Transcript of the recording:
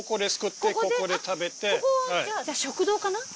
ここはじゃあ食堂かな？